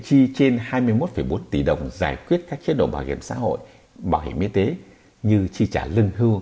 chi trên hai mươi một bốn tỷ đồng giải quyết các chế độ bảo hiểm xã hội bảo hiểm y tế như chi trả lương hưu